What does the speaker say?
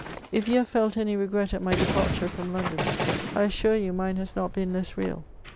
If you have felt any regret at my departure from London, ^ I assure you mine has not been less real.